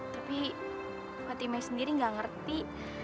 tapi fatime sendiri nggak ngerti